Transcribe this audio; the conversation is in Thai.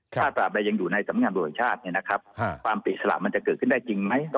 ถ้าตราบใดยังอยู่ในสำนวนชาติความอิสระมันจะเกิดขึ้นได้จริงไหม